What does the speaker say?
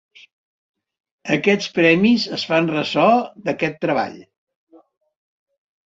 Aquests premis es fan ressò d'aquest treball.